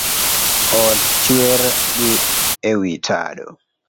Ot chwer gi ewi tado